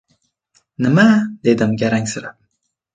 — Nima?— dedim garangsib.